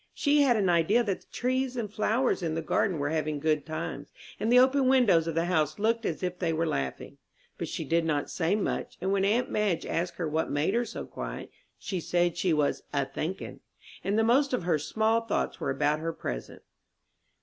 She had an idea that the trees and the flowers in the garden were having good times, and the open windows of the house looked as if they were laughing. But she did not say much, and when aunt Madge asked her what made her so quiet, she said she was "a thinkin'." And the most of her small thoughts were about her present.